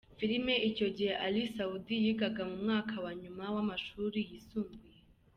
filime, icyo gihe Ally Soudy yigaga mu mwaka wa nyuma w'amashuri yisumbuye